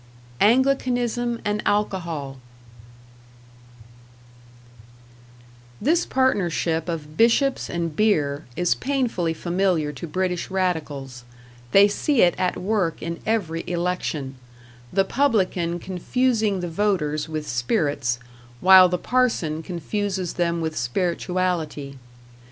#Anglicanism and Alcohol# This partnership of Bishops and Beer is painfully familiar to British radicals; they see it at work in every election the publican confusing the voters with spirits, while the parson confuses them with spirituality.